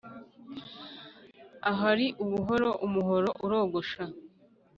Ahari ubuhoro umuhoro urogosha.